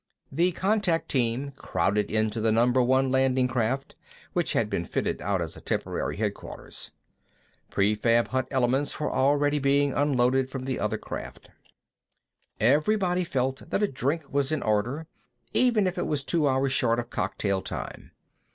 The contact team crowded into the Number One landing craft, which had been fitted out as a temporary headquarters. Prefab hut elements were already being unloaded from the other craft. Everybody felt that a drink was in order, even if it was two hours short of cocktail time.